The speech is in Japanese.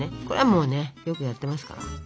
これはもうねよくやってますから。